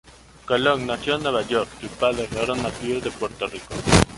Colon nació en Nueva York; sus padres eran nativos de Puerto Rico.